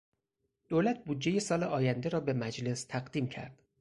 دولت بودجهی سال آینده را به مجلس تقدیم کرد.